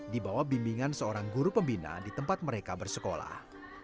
di bawah bimbingan seorang guru pembina di tempat mereka bersekolah